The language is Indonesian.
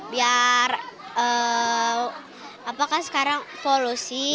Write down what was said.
biar apakah sekarang polusi